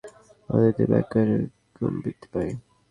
ফলে একদিকে সময় বেশি লাগে, অন্যদিকে ব্যয় কয়েক গুণ বৃদ্ধি পায়।